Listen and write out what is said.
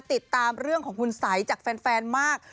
ติดตามเรื่องของคุณสัยจากแฟนมาก